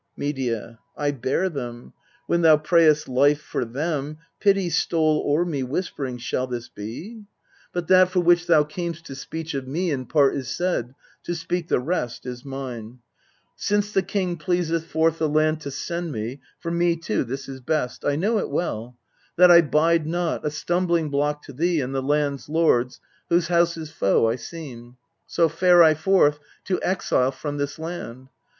Medea. I bare them. When thou prayedst life for them, Pity stole o'er me, whispering, " Shall this, be?" MEDI.A 273 But that for which thou cam'st to speech of me In part is said ; to speak the rest is mine : l Since the king pleaseth forth the land to send me, For me too this is best I know it well That I bide not, a stumbling block to thee And the land's lords, whose house's foe I seem, So fare I forth to exile from this land.